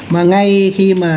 mà ngay khi mà